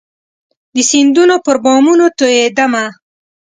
د سیندونو پر بامونو توئيدمه